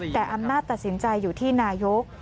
แต่อำนาจตัดสินใจอยู่ที่นายก